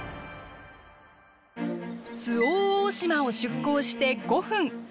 周防大島を出港して５分。